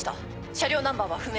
車両ナンバーは不明。